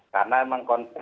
karena memang konsep